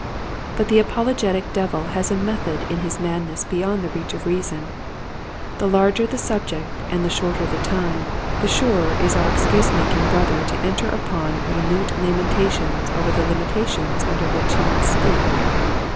But the apologetic devil has a method in his madness beyond the reach of reason. The larger the sub ject and the shorter the time, the surer is our excuse making brother to enter upon minute lamentations over the limitations under which he must speak.